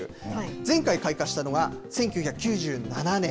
前回開花したのが１９９７年。